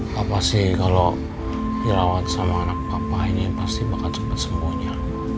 papa sih kalo dirawat sama anak papa ini pasti bakal cepet sembuhnya